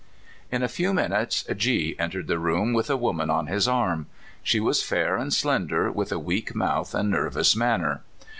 In a few minutes G entered the room with a woman on his arm. She was fair and slender, with a weak mouth and nervous manner.